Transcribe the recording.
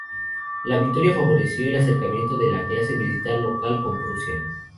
La victoria favoreció el acercamiento de la clase militar local con Prusia.